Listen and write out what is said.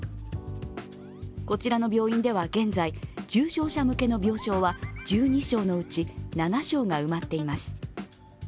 こちらの病院では現在、重症者向けの病床は１２床のうち７床が埋まっています。